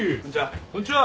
こんにちは。